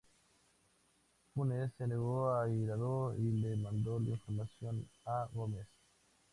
Funes se negó airado y le mandó la información a Gómez.